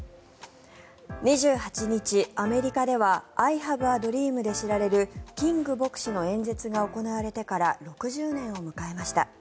２８日、アメリカではアイ・ハブ・ア・ドリームで知られるキング牧師の演説が行われてから６０年を迎えました。